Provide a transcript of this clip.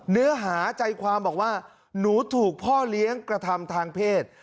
เนื้อหาใจความบอกว่าหนูถูกพ่อเลี้ยงกระทำทางเพศ